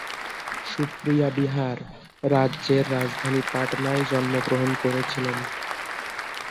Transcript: সুপ্রিয়া বিহার রাজ্যের রাজধানী পাটনায় জন্মগ্রহণ করেছিলেন।